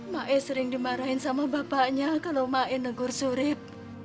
mak e sering dimarahin sama bapaknya kalau mak e negur surip